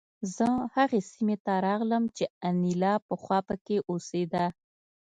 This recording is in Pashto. زه هغې سیمې ته راغلم چې انیلا پخوا پکې اوسېده